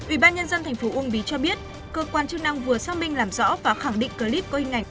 ủy ban nhân dân thành phố uông bí cho biết cơ quan chức năng vừa xác minh làm rõ và khẳng định clip có hình ảnh